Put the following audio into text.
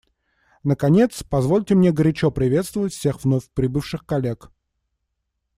Наконец, позвольте мне горячо приветствовать всех вновь прибывших коллег.